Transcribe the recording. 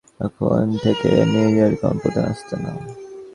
এখন থেকে New York আমার প্রধান আস্তানা।